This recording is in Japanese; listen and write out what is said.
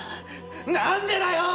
なんでだよ！